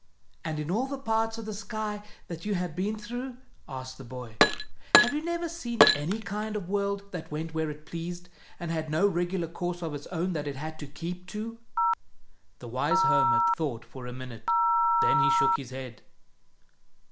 " And in all the parts of the sky that you have been through," asked the boy, "have you never seen any kind of world that went where it pleased, and had no regular course of its own that it had to keep to? " The wise hermit thought for a minute, then he shook his head.